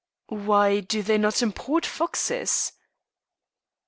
"Why do they not import foxes?"